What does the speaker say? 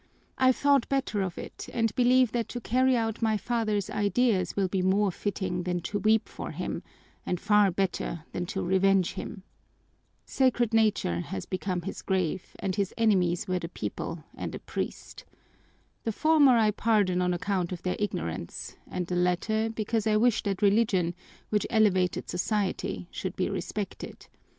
"I've thought better of it and believe that to carry out my father's ideas will be more fitting than to weep for him, and far better than to revenge him. Sacred nature has become his grave, and his enemies were the people and a priest. The former I pardon on account of their ignorance and the latter because I wish that Religion, which elevated society, should be respected.